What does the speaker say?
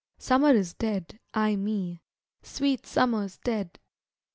Summer is dead, ay me! sweet Summer's dead!